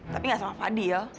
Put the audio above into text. tapi gak sama fadil